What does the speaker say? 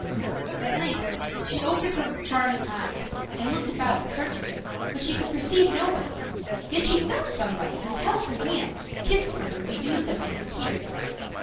At length she opened her charming eyes and looked about in search of him, but she could perceive nobody; yet she felt somebody who held her hands, kissed them, and bedewed them with his tears.